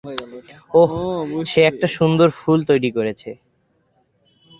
ওহ, সে একটা সুন্দর ফুল তৈরি করেছে।